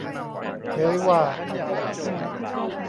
เผยว่า